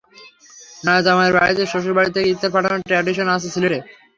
নয়া জামাইয়ের বাড়িতে শ্বশুর বাড়ি থেকে ইফতার পাঠানোর ট্র্যাডিশন আছে সিলেটে।